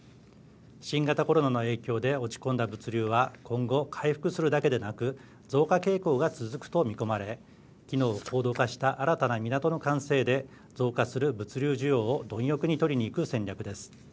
新型コロナの影響で落ち込んだ物流は今後、回復するだけでなく増加傾向が続くと見込まれ機能を高度化した新たな港の完成で増加する物流需要を貪欲に取りにいく戦略です。